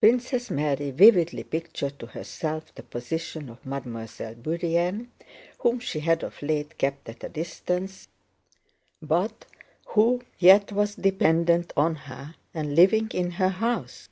Princess Mary vividly pictured to herself the position of Mademoiselle Bourienne, whom she had of late kept at a distance, but who yet was dependent on her and living in her house.